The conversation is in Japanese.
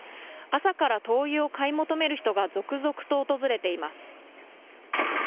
朝から灯油を買い求める人が続々と訪れています。